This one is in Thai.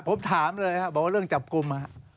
ผมถามเลยครับบอกว่าเรื่องจับกลุ่ม